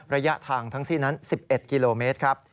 ระยะทางทั้งสิ้นนั้น๑๑กิโลเมตรครับ